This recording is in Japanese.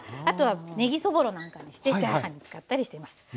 あとは「ねぎそぼろ」なんかにしてチャーハンに使ったりしています。